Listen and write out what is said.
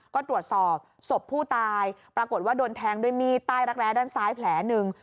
ก็ตรวจสอบศพผู้ตายปรากฏว่าโดนแทงด้วยมีดใต้รักแร้ด้านซ้ายแผลหนึ่ง